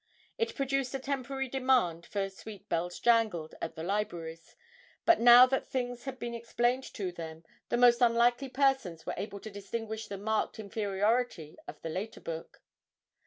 It produced a temporary demand for 'Sweet Bells Jangled' at the libraries, but now that things had been explained to them, the most unlikely persons were able to distinguish the marked inferiority of the later book.